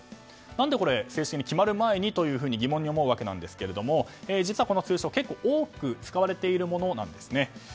何で、正式に決まる前にと疑問に思うわけですが実は、この通称は結構多く使われているものなんです。